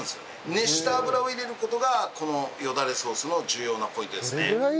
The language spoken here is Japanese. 熱した油を入れる事がこのよだれソースの重要なポイントですね。